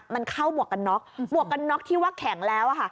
มันเข้าหมวกกันน็อกหมวกกันน็อกที่ว่าแข็งแล้วค่ะ